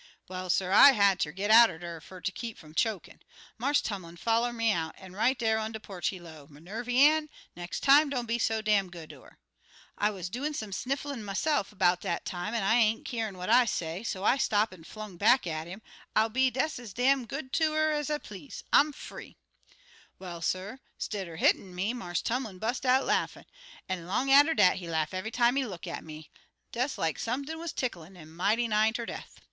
"Well, suh, I had ter git out er dar fer ter keep fum chokin'. Marse Tumlin foller me out, an' right here on de porch, he low, 'Minervy Ann, nex' time don't be so dam good to 'er.' I wuz doin' some snifflin' myse'f 'bout dat time, an' I ain't keerin' what I say, so I stop an' flung back at 'im, 'I'll be des es dam good ter 'er ez I please I'm free!' Well, suh, stidder hittin' me, Marse Tumlin bust out laughin', an' long atter dat he'd laugh eve'y time he look at me, des like sump'n wuz ticklin' 'im mighty nigh ter death.